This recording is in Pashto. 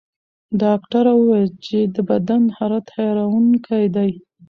ډاکټره وویل چې د بدن حرارت حیرانوونکی دی.